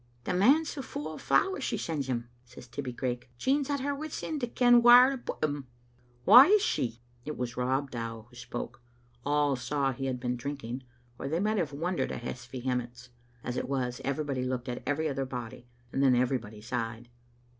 "" The manse is fu* o' the flowers she sends him," said Tibbie Craik. " Jean's at her wits' end to ken whaur to put them a*." "Whaisshe?" It was Rob Dow who spoke. All saw he had been drinking, or they might have wondered at his vehe mence. As it was, everybody looked at every other body, and then everybody sighed.